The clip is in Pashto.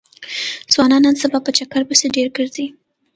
ځوانان نن سبا په چکر پسې ډېر ګرځي.